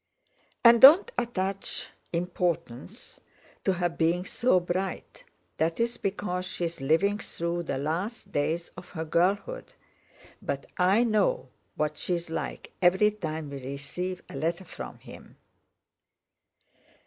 And don't attach importance to her being so bright: that's because she's living through the last days of her girlhood, but I know what she is like every time we receive a letter from him!